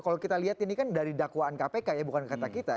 kalau kita lihat ini kan dari dakwaan kpk ya bukan kata kita